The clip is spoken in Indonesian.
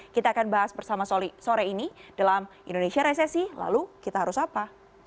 kita akan bahas bersama sore ini dalam indonesia resesi lalu kita harus apa